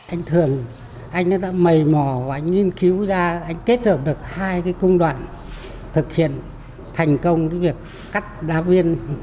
anh thường anh đã mầy mò và anh nghiên cứu ra anh kết hợp được hai công đoạn thực hiện thành công việc cắt đá viên